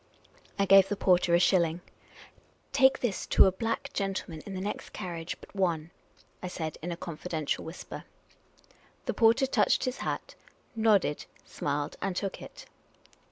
I gave the porter a shilling. "Take this to a black gentleman in the next carriage but one," I said, in a confiden tial whisper. The porter touched his hat, nodded, smiled, and took it.